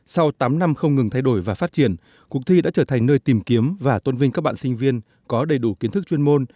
sau tám năm không ngừng thay đổi và phát triển cuộc thi đã trở thành nơi tìm kiếm và tôn vinh các bạn sinh viên có đầy đủ kiến thức chuyên môn